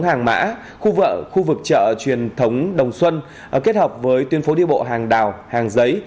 hàng mã khu vợ khu vực chợ truyền thống đồng xuân kết hợp với tuyến phố đi bộ hàng đào hàng giấy